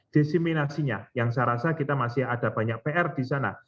desiminasinya yang saya rasa kita masih ada banyak pr di sana